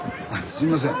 すいません。